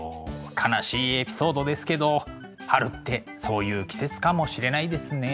悲しいエピソードですけど春ってそういう季節かもしれないですね。